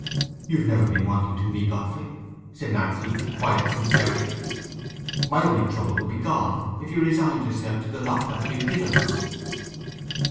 "You've never been wanting to me, Godfrey," said Nancy, with quiet sincerity. "My only trouble would be gone if you resigned yourself to the lot that's been given us."